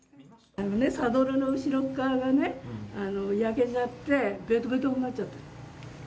サドルの後ろっ側がね、焼けちゃって、べとべとになっちゃった。